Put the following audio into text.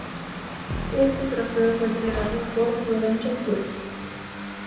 Este trofeo fue entregado por Prudential plc.